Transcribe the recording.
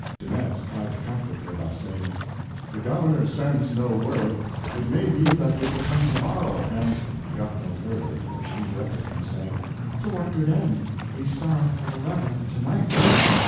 De Metz tried to comfort her by saying: "The governor sends no word; it may be that they will come to morrow, and—" He got no further, for she interrupted him, saying: "To what good end? We start at eleven to night."